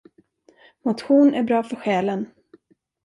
Motion är bra för själen.